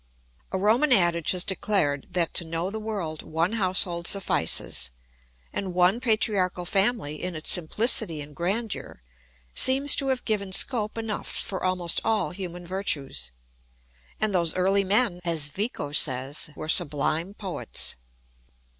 A Roman adage has declared that to know the world one household suffices; and one patriarchal family, in its simplicity and grandeur, seems to have given scope enough for almost all human virtues. And those early men, as Vico says, were sublime poets.